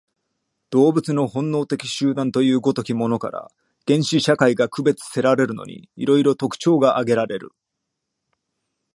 動物の本能的集団という如きものから、原始社会が区別せられるのに、色々特徴が挙げられる。